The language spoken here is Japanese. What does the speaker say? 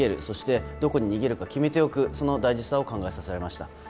そして、どこに逃げるか決めておく、その大事さを考えさせられました。